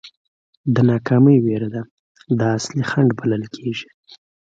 د ناکامۍ وېره ده دا اصلي خنډ بلل کېږي.